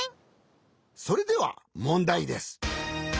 それではもんだいです！